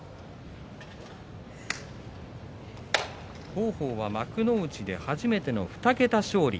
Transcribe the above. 王鵬は幕内で初めての２桁勝利。